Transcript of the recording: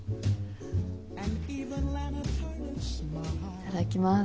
いただきます。